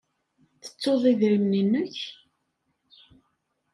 Tettuḍ idrimen-nnek?